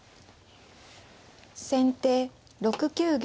先手６九玉。